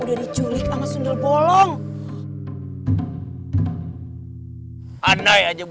ini dia sendarnya